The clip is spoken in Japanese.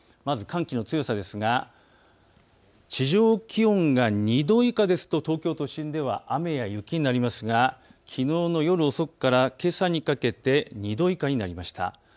寒気の強さですが地上気温が２度以下ですと東京都心では雨や雪になりますがきのうの夜遅くからけさにかけて２度以下になりました。